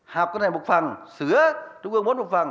học cái này một phần sửa trung ương bốn một phần